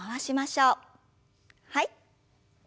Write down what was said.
はい。